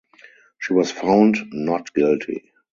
She was found not guilty.